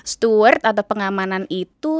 stewart atau pengamanan itu